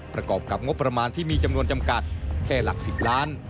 ประกอบกับงบประมาณที่มีจำนวนจำกัดแค่หลัก๑๐ล้าน